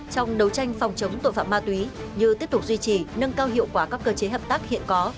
trong đấu tranh phòng chống tội phạm ma túy như tiếp tục duy trì nâng cao hiệu quả các cơ chế hợp tác hiện có